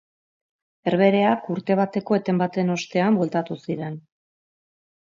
Herbehereak urte bateko eten baten ostean bueltatu ziren.